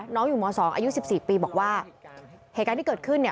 น้องอยู่ม๒อายุ๑๔ปีบอกว่าเหตุการณ์ที่เกิดขึ้น